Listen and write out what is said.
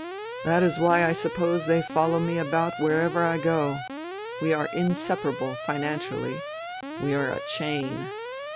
That is why I suppose they follow me about wherever I go. We are inseparable — financially. We are a chain.